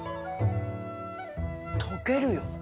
溶けるよ。